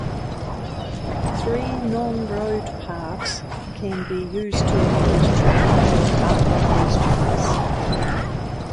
Three non-road paths can be used to avoid traffic for part of these journeys.